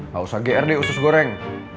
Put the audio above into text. gak usah grd usus goreng